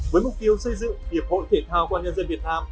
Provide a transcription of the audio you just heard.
với mục tiêu xây dựng hiệp hội thể thao công an nhân dân việt nam